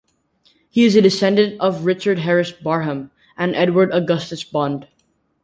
He is a descendant of Richard Harris Barham and Edward Augustus Bond.